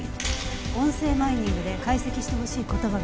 音声マイニングで解析してほしい言葉があるの。